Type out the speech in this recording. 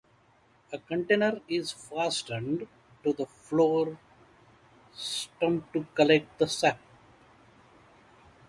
A container is fastened to the flower stump to collect the sap.